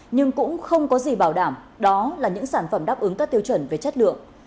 nhưng cũng không có gì bảo đảm đó là những sản phẩm đáp ứng các tiêu chuẩn về chất lượng